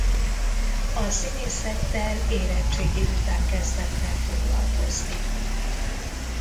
A színészettel érettségi után kezdett el foglalkozni.